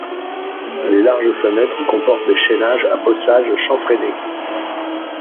Les larges fenêtres comportent des chaînages à bossages chanfreinés.